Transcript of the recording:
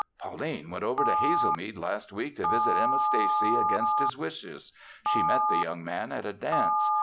Pauline went over to Hazelmead last week to visit Emma Stacy against his wishes. She met the young man at a dance.